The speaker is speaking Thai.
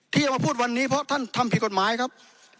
ที่จะมาพูดวันนี้เพราะท่านทำผิดกฎหมายครับ